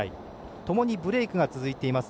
ともにブレークが続いています。